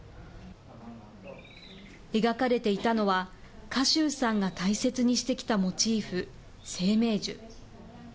描かれていたのは、賀集さんが大切にしてきたモチーフ、生命樹。